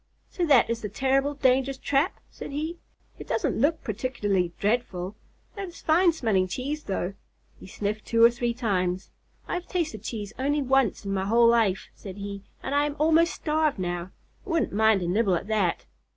"So that is the terrible, dangerous trap?" said he. "It doesn't look particularly dreadful. That is fine smelling cheese though." He sniffed two or three times. "I have tasted cheese only once in my whole life," said he, "and I am almost starved now. I wouldn't mind a nibble at that."